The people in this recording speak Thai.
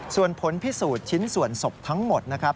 ส่วนผลพิสูจน์ชิ้นส่วนศพทั้งหมดนะครับ